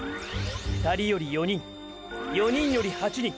２人より４人４人より８人。